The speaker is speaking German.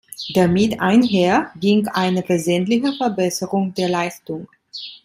Damit einher ging eine wesentliche Verbesserung der Leistung.